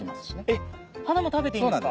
えっ花も食べていいんですか？